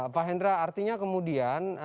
pak hendra artinya kemudian